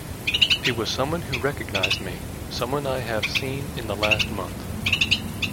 It was someone who recognised me, someone I have seen in the last month.